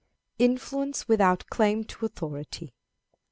Influence without Claim to Authority.